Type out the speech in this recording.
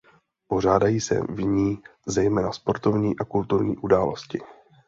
Pořádají se v ní zejména sportovní a kulturní události.